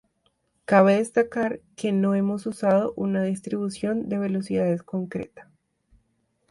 Cabe destacar que no hemos usado una distribución de velocidades concreta.